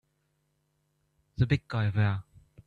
The big guy there!